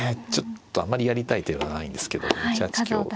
ちょっとあんまりやりたい手ではないんですけども１八香。